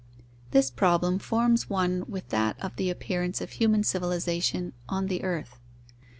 This problem forms one with that of the appearance of human civilization on the earth.